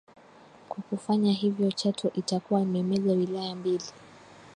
Kwa kufanya hivyo Chato itakuwa imemega wilaya mbili